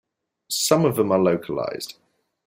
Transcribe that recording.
Some of them are localized.